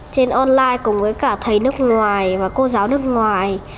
trên online cùng với cả thầy nước ngoài và cô giáo nước ngoài